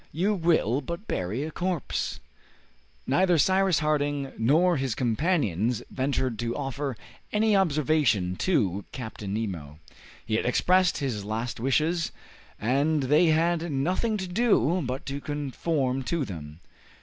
You will but bury a corpse!" Neither Cyrus Harding nor his companions ventured to offer any observation to Captain Nemo. He had expressed his last wishes, and they had nothing to do but to conform to them.